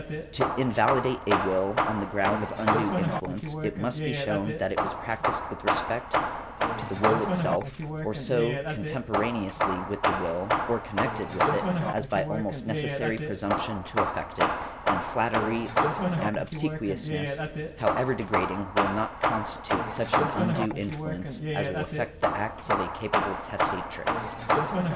To invalidate a will, on the ground of undue influence, it must be shown that it was practised with respect to the will itself, or so contemporaneously with the will, or connected with it, as by almost necessary presumption to affect it; and flattery and obsequiousness, however degrading, will not constitute such an undue influence as will affect the acts of a capable testatrix .